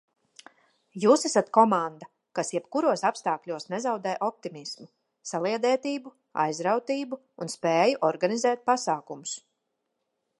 Jūs esat komanda, kas jebkuros apstākļos nezaudē optimismu, saliedētību, aizrautību un spēju organizēt pasākumus!